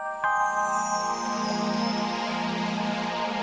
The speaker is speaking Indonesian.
tidak ada yang bisa dikunci